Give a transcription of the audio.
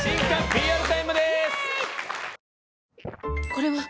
これはっ！